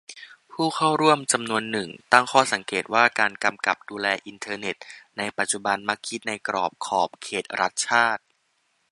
ผู้เข้าร่วมจำนวนหนึ่งตั้งข้อสังเกตว่า การกำกับดูแลอินเทอร์เน็ตในปัจจุบันมักคิดในกรอบขอบเขตรัฐชาติ